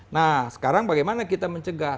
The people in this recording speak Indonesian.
nah sekarang bagaimana kita mencegah